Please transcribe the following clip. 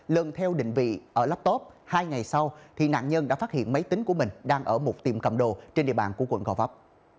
lần theo định vị ở laptop hai ngày sau thì nạn nhân đã phát hiện máy tính của mình đang ở một tiệm cầm đồ trên địa bàn của quận gò vấp